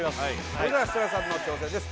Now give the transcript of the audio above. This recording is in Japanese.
それでは設楽さんの挑戦です